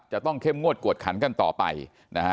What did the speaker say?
จะต้องเข้มงวดกวดขันกันต่อไปนะฮะ